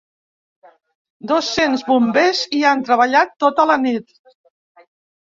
Dos-cents bombers hi han treballat tota la nit.